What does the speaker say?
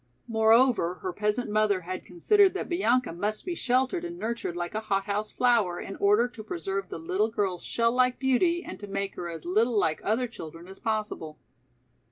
Moreover, her peasant mother had considered that Bianca must be sheltered and nurtured like a hot house flower in order to preserve the little girl's shell like beauty and to make her as little like other children as possible.